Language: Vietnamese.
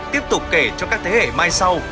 tiếp tục kể cho các thế hệ mai sau